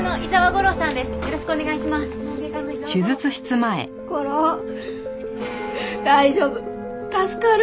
吾良大丈夫助かる。